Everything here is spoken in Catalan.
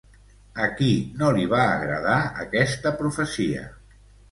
A qui no li va agradar aquesta profecia?